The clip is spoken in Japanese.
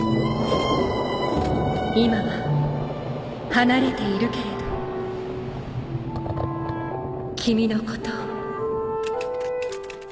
「今は離れているけれど君のことを」。